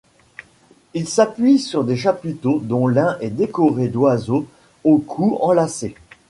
Ils s'appuie sur des chapiteaux dont l'un est décoré d'oiseaux aux cous enlacés.